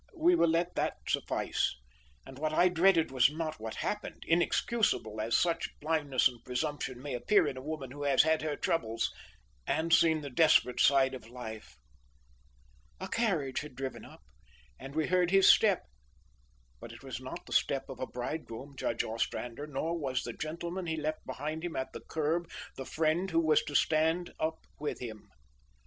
We will let that suffice, and what I dreaded was not what happened, inexcusable as such blindness and presumption may appear in a woman who has had her troubles and seen the desperate side of life. "A carriage had driven up; and we heard his step; but it was not the step of a bridegroom, Judge Ostrander, nor was the gentleman he left behind him at the kerb, the friend who was to stand up with him.